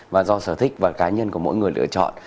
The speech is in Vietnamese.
và do sở thích và cá nhân của mỗi người lựa chọn